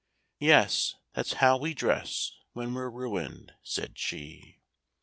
— "Yes: that's how we dress when we're ruined," said she.